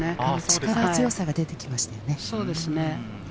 力強さが出てきましたね。